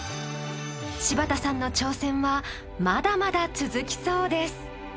しばたさんの挑戦はまだまだ続きそうです。